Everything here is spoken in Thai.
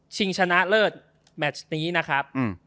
ชนะเลิศแมชนี้นะครับ